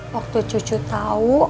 waktu cucu tau